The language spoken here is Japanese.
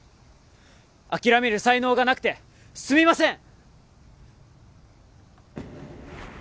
諦める才能がなくてすみません！